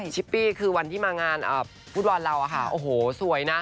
ชิปปี้คือวันที่มางานฟุตบอลเราโอ้โหสวยนะ